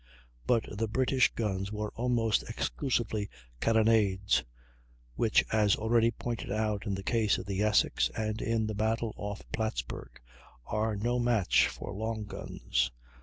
But the British guns were almost exclusively carronades which, as already pointed out in the case of the Essex and in the battle off Plattsburg, are no match for long guns.